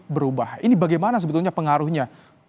berubah ini bagaimana sebetulnya pengaruhnya